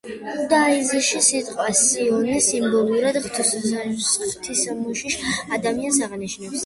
იუდაიზმში სიტყვა „სიონი“ სიმბოლურად ღვთისმოშიშ ადამიანს აღნიშნავს.